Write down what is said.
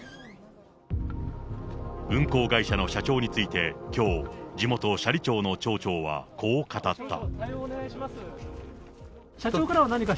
運航会社の社長について、きょう、地元斜里町の町長はこう語った。